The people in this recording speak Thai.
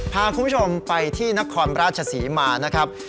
พาคุณผู้ชมไปที่นครราชศรีมานะครับ